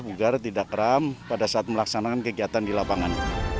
segera segera tidak kerem pada saat melaksanakan kegiatan di lapangan